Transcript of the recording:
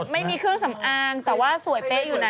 ไม่มีเครื่องสำอางแต่ว่าสวยเป๊ะอยู่นะ